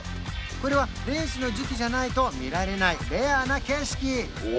これはレースの時期じゃないと見られないレアな景色！